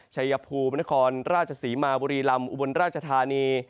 ชัยภูมินครราชศรีมาบุรีลำอุบลราชธานี